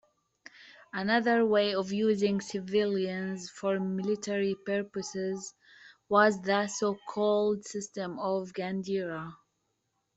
Another way of using civilians for military purposes was the so-called system of "Gandira".